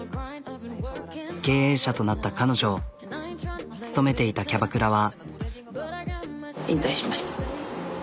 経営者となった彼女勤めていたキャバクラは。